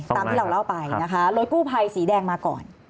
ตามที่เราเล่าไปนะคะรถกู้ภัยสีแดงมาก่อน